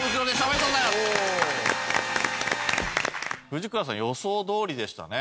藤倉さん予想どおりでしたね。